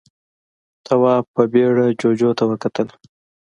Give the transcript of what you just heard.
تواب په بيړه جُوجُو ته وکتل.